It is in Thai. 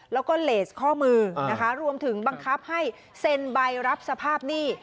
แล้วก็เลสข้อมือนะคะรวมถึงบังคับให้เซ็นใบรับสภาพหนี้